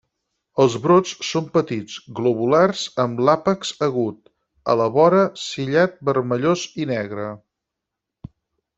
Els brots són petits, globulars amb l'àpex agut, a la vora ciliat vermellós i negre.